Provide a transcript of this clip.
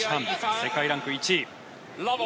世界ランク１位。